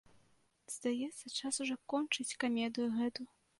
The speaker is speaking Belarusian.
Здаецца, час ужо кончыць камедыю гэту.